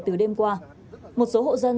từ đêm qua một số hộ dân